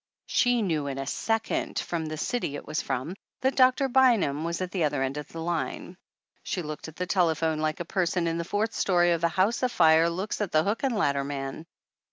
She knew in a second from the city it was from that Doctor Bynum was at the other end of the line. She looked at that telephone like a person in the fourth story of a house afire looks at the hook and ladder man.